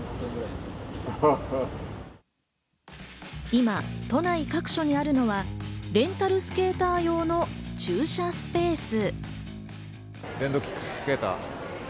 今、都内各所にあるのは、レンタルスケーター用の駐車スペース。